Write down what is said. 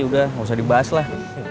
udah gak usah dibahas lah